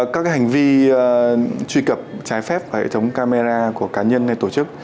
các hành vi truy cập trái phép vào hệ thống camera của cá nhân hay tổ chức